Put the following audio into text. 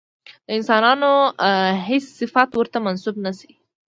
د انسانانو هېڅ صفت ورته منسوب نه شي.